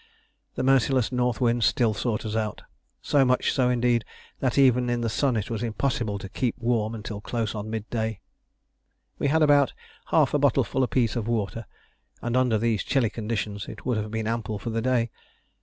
The merciless north wind still sought us out so much so, indeed, that even in the sun it was impossible to keep warm until close on midday. We had about half a bottleful apiece of water, and under these chilly conditions it would have been ample for the day.